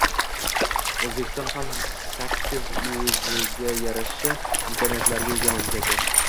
O‘zbekiston ham shaksiz o‘ziga yarasha imkoniyatlarga ega mamlakat.